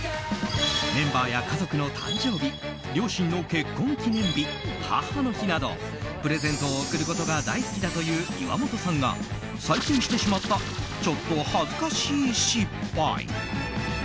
メンバーや家族の誕生日両親の結婚記念日、母の日などプレゼントを贈ることが大好きだという岩本さんが最近してしまったちょっと恥ずかしい失敗。